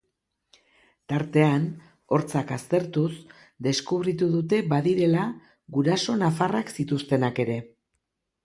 Tartean, hortzak aztertuz, deskubritu dute badirela guraso nafarrak zituztenak ere.